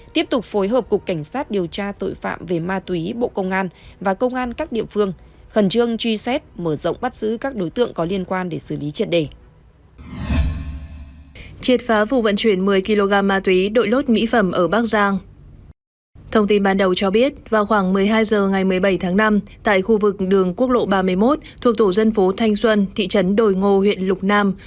thông tin ban đầu cho biết vào khoảng một mươi hai h ngày một mươi bảy tháng năm tại khu vực đường quốc lộ ba mươi một thuộc tổ dân phố thanh xuân thị trấn đồi ngô huyện lục nam